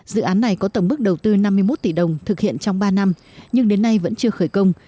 dự án này có tổng mức đầu tư năm mươi một tỷ đồng thực hiện trong ba năm nhưng đến nay vẫn chưa khởi công